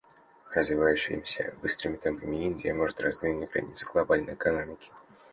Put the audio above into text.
Развивающаяся быстрыми темпами Индия может раздвинуть границы глобальной экономики.